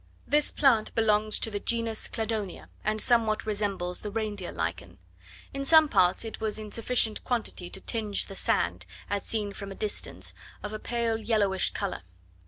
This plant belongs to the genus Cladonia, and somewhat resembles the reindeer lichen. In some parts it was in sufficient quantity to tinge the sand, as seen from a distance, of a pale yellowish colour.